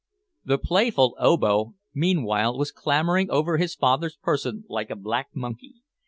The playful Obo meanwhile was clambering over his father's person like a black monkey.